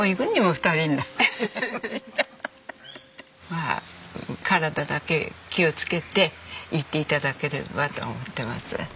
まあ体だけ気をつけていて頂ければと思ってます。